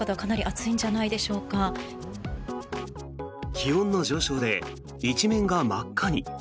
気温の上昇で一面が真っ赤に。